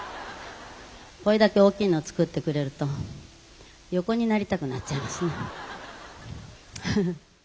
「これだけ大きいのを作ってくれると横になりたくなっちゃいますね」。